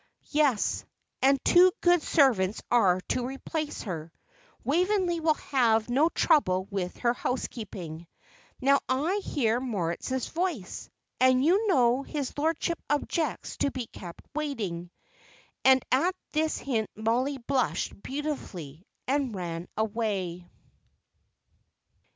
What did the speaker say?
"Yes, and two good servants are to replace her. Waveney will have no trouble with her housekeeping. Now I hear Moritz's voice, and you know his lordship objects to be kept waiting!" And at this hint Mollie blushed beautifully and ran away.